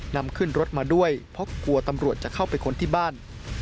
นำขึ้นรถมาด้วยเพราะกลัวตำรวจจะเข้าไปค้นที่บ้าน